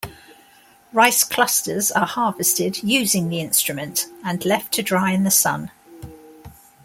Rice clusters are harvested using the instrument and left to dry in the sun.